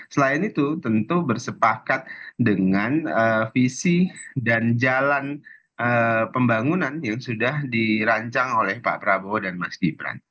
selain itu tentu bersepakat dengan visi dan jalan pembangunan yang sudah dirancang oleh pak prabowo dan mas gibran